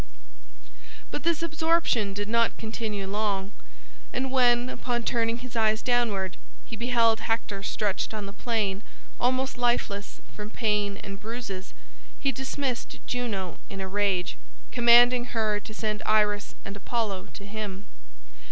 But this absorption did not continue long, and when, upon turning his eyes downward, he beheld Hector stretched on the plain almost lifeless from pain and bruises, he dismissed Juno in a rage, commanding her to send Iris and Apollo to him.